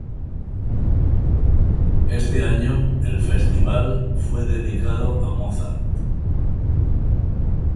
Este año, el festival fue dedicado a Mozart